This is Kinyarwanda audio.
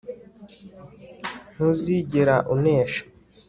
Ntuzigera unesha